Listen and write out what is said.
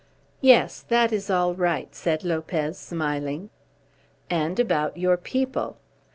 "Yes, that is all right," said Lopez, smiling. "And about your people."